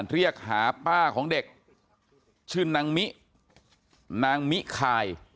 เรียกหาป้าของเด็กชื่อนางมินางมิคาย